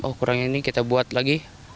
oh kurang ini kita buat lagi